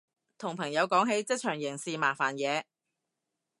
同朋友講起職場人事麻煩嘢